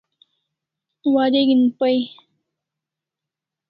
Wareg'in pay